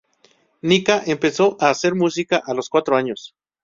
Nika empezó a hacer música a los cuatro años.